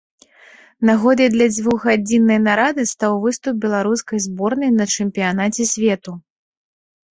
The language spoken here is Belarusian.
Нагодай для дзвюхгадзіннай нарады стаў выступ беларускай зборнай на чэмпіянаце свету.